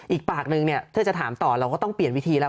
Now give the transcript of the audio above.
อีกปากนึงเนี่ยถ้าจะถามต่อเราก็ต้องเปลี่ยนวิธีแล้ว